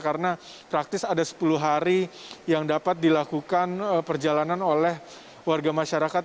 karena praktis ada sepuluh hari yang dapat dilakukan perjalanan oleh warga masyarakat